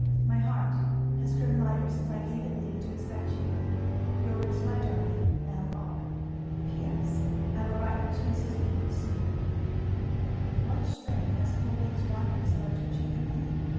My heart has grown lighter since I gave it leave to expect you. Yours, my darling, L. R. "P.S. I will write to Mrs. E. soon." "What string has pulled these wires that are twitching me home?"